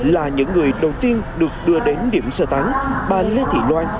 là những người đầu tiên được đưa đến điểm sơ tán bà lê thị loan